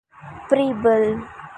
Preble.